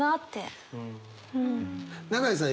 永井さん